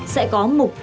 sẽ có mục